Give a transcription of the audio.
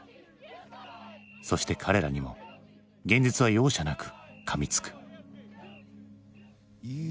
そして彼らにも現実は容赦なくかみつく。